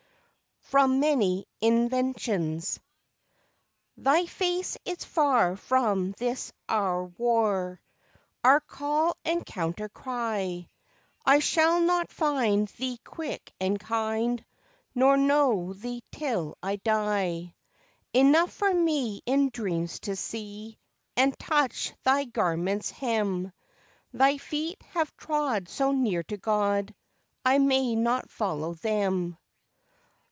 (From Many Inventions). _Thy face is far from this our war, Our call and counter cry, I shall not find Thee quick and kind, Nor know Thee till I die: Enough for me in dreams to see And touch Thy garments' hem: Thy feet have trod so near to God I may not follow them.